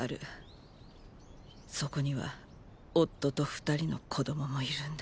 そこには夫と二人の子供もいるんだ。